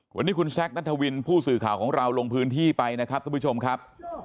วันนี้คุณแซคนัทวินผู้สื่อข่าวของเราลงพื้นที่ไปนะครับทุกผู้ชมครับ